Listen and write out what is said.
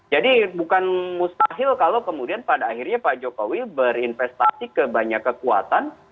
jadi bukan mustahil kalau kemudian pada akhirnya pak jokowi berinvestasi ke banyak kekuatan